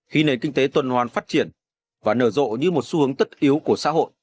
khi nền kinh tế tuần hoàn phát triển và nở rộ như một xu hướng tất yếu của xã hội